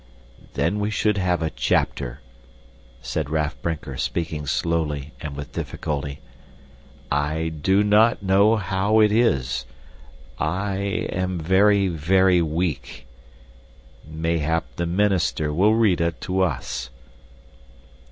"Then we should have a chapter," said Raff Brinker, speaking slowly and with difficulty. "I do not know how it is. I am very, very weak. Mayhap the minister will read it to us."